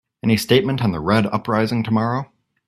Any statement on the Red uprising tomorrow?